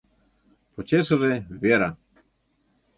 Почешыже — Вера.